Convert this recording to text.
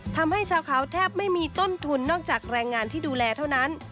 ทำให้ชาวเขาแทบไม่มีต้นทุนนอกจากแรงงานที่ดูแลเท่านั้น